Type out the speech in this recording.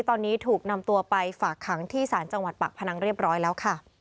ตอนนี้ถูกนำตัวไปฝากขังที่ศาลจังหวัดปากพนังเรียบร้อยแล้วค่ะ